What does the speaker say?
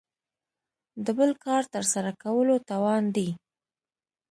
د بل کار تر سره کولو توان دی.